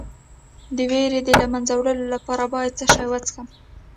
د ویرې د له منځه وړلو لپاره باید څه شی وڅښم؟